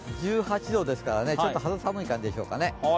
１８度ですから、ちょっと肌寒い感じですかね。